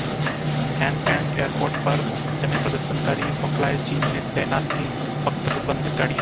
Hong Kong airport पर जमे प्रदर्शनकारी, बौखलाए चीन ने तैनात की बख्तरबंद गाड़ियां